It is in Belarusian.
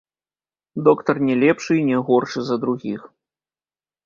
Доктар не лепшы і не горшы за другіх.